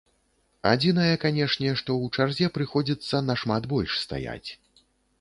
Адзінае, канешне, што ў чарзе прыходзіцца нашмат больш стаяць.